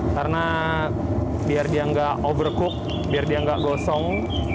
karena biar dia nggak overcook biar dia nggak gosong